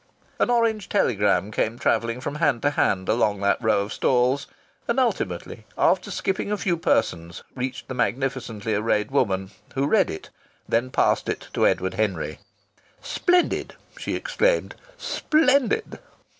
An orange telegram came travelling from hand to hand along that row of stalls, and ultimately, after skipping a few persons, reached the magnificently arrayed woman, who read it, and then passed it to Edward Henry. "Splendid!" she exclaimed. "Splendid!"